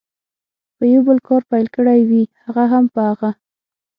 په یو بل کار پیل کړي وي، هغه هم په هغه.